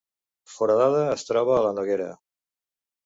Foradada es troba a la Noguera